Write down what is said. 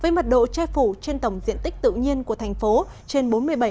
với mật độ che phủ trên tổng diện tích tự nhiên của thành phố trên bốn mươi bảy